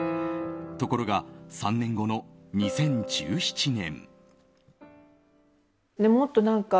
ところが３年後の２０１７年。